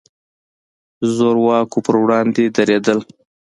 د زور واکو پر وړاندې درېدل.